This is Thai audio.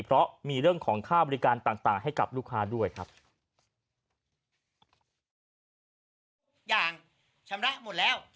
เพราะมีเรื่องของค่าบริการต่างให้กับลูกค้าด้วยครับ